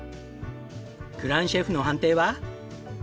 グランシェフの判定は？